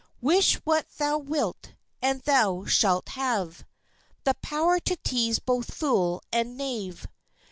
Wish what thou wilt, and thou shalt have The power to tease both fool and knave.